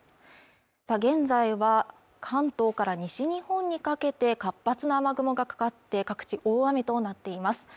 現在は関東から西日本にかけて活発な雨雲がかかって各地大雨となっています